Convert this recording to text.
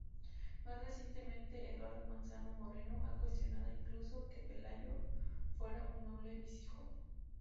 Más recientemente Eduardo Manzano Moreno ha cuestionado incluso que Pelayo fuera un noble visigodo.